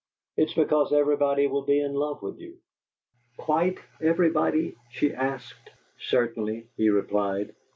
It's because everybody will be in love with you." "Quite everybody!" she asked. "Certainly," he replied.